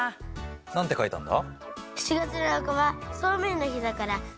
何て書いたんだ？